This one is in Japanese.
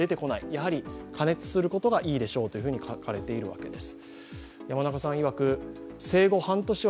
やはり加熱することがいいでしょうと書かれています。